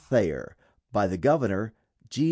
THAYER. By the Governor: G.